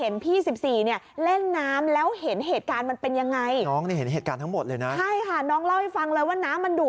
นิ้วนิ้วจะกะโดดลงไปช่วย